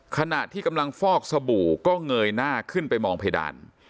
ขณะที่กำลังฟอกสบู่ก็เงยหน้าขึ้นไปมองเพดาน